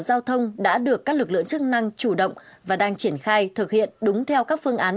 giao thông đã được các lực lượng chức năng chủ động và đang triển khai thực hiện đúng theo các phương án